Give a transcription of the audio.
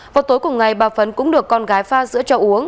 vào tối cùng ngày bà phấn cũng được con gái pha sữa cho uống